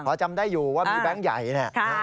พอจำได้อยู่ว่ามีแบงค์ใหญ่เนี่ย